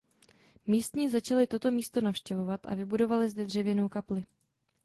Místní začali toto místo navštěvovat a vybudovali zde dřevěnou kapli.